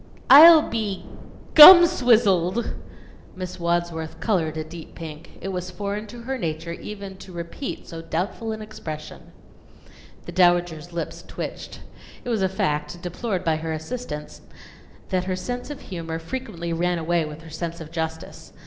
"I'll be gum swizzled!" Miss Wadsworth colored a deep pink. It was foreign to her nature even to repeat so doubtful an expression. The Dowager's lips twitched. It was a fact, deplored by her assistants, that her sense of humor frequently ran away with her sense of justice.